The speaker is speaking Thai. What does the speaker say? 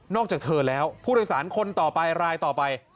จากเธอแล้วผู้โดยสารคนต่อไปรายต่อไป